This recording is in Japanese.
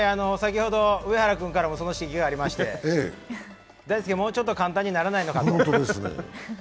先ほど上原君からもその指摘がありまして、大介、もうちょっと簡単にならないのかと。